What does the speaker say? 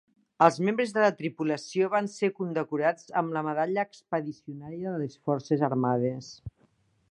Els membres de la tripulació van ser condecorats amb la Medalla Expedicionària de les Forces Armades.